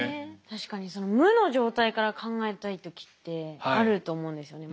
確かに無の状態から考えたい時ってあると思うんですよね。